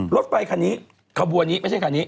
รถไฟคันนี้ขบวนนี้ไม่ใช่คันนี้